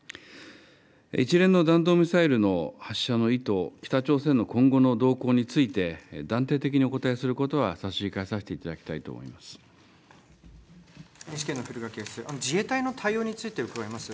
一連の弾道ミサイルの発射の意図、北朝鮮の今後の動向について、断定的にお答えすることは差し控えさせていただきたいと思い自衛隊の対応について伺います。